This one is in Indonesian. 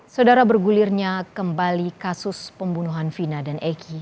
saudara bergulirnya kembali kasus pembunuhan vina dan egy